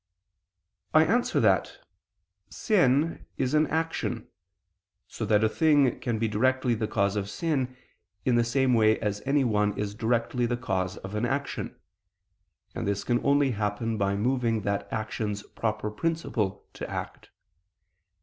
I answer that, Sin is an action: so that a thing can be directly the cause of sin, in the same way as anyone is directly the cause of an action; and this can only happen by moving that action's proper principle to act.